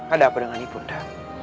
ada apa dengan ibunda